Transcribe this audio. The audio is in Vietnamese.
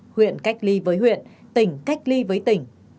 huyện cách ly với huyện tỉnh cách ly với tỉnh